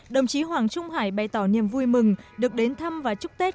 đồng chí hoàng trung hải bày tỏ niềm vui mừng được đến thăm và chúc tết